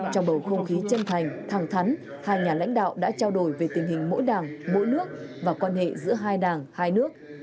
trong bầu không khí chân thành thẳng thắn hai nhà lãnh đạo đã trao đổi về tình hình mỗi đảng mỗi nước và quan hệ giữa hai đảng hai nước